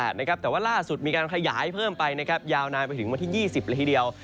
แต่ว่าล่าสุดมีการขยายเพิ่มไปนะครับยาวนานไปถึงวันที่๒๐ละทีเดียว